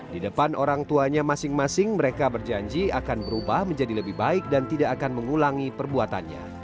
di depan orang tuanya masing masing mereka berjanji akan berubah menjadi lebih baik dan tidak akan mengulangi perbuatannya